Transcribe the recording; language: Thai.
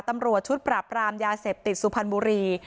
ตำรวจชุดปรับรามยาเสพติดสุพรรณบุรี